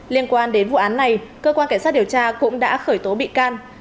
liên quan đến vụ án này cơ quan cảnh sát điều tra cũng đã khởi tố bị can